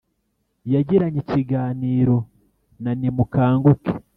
Yagiranye ikiganiro na Nimukanguke